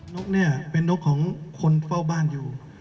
นกเนี่ยเป็นนกของคนเฝ้าบ้านอยู่